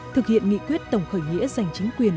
thực hiện nghị quyết tổng khởi nghĩa giành chính quyền